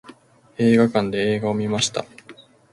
映画館で映画を観ました。